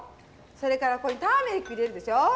それからここにターメリック入れるでしょう。